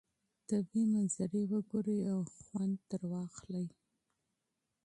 طبیعي منظرې وګورئ او خوند ترې واخلئ.